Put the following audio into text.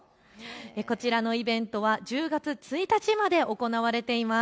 こちらのイベントは１０月１日まで行われています。